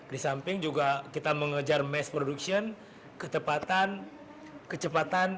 di samping juga kita mengejar mass production ketepatan kecepatan